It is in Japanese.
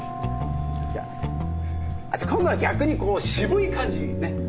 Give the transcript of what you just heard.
じゃあ今度は逆にこう渋い感じにね。